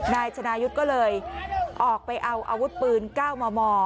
นายชนายุทธ์ก็เลยออกไปเอาอาวุธปืน๙มม